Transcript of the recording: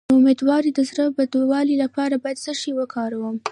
د امیدوارۍ د زړه بدوالي لپاره باید څه شی وکاروم؟